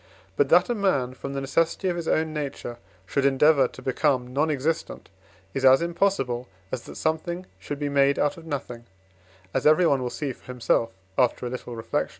But that a man, from the necessity of his own nature, should endeavour to become non existent, is as impossible as that something should be made out of nothing, as everyone will see for himself, after a little reflection.